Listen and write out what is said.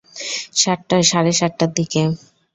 সাতটা, সাড়ে সাতটার দিকে।